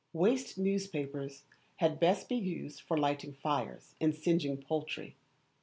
Waste newspapers had best be used for lighting fires and singeing poultry.